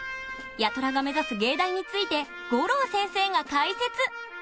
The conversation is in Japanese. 八虎が目指す藝大について五郎先生が解説！